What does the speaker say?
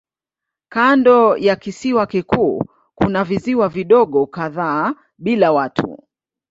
Kando ya kisiwa kikuu kuna visiwa vidogo kadhaa bila watu.